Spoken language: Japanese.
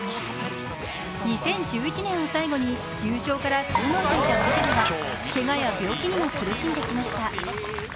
２０１１年を最後に優勝から遠のいていた藤田はけがや病気にも苦しんできました。